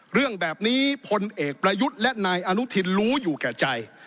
เรื่องแบบนี้พลเอกประยุทธ์และนายอนุทินรู้อยู่แก่ใจ